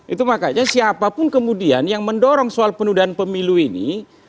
itu makanya siapapun kemudian yang mendorong soal penundaan pemilu ini